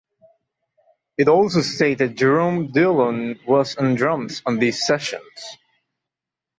It also stated Jerome Dillon was on drums on these sessions.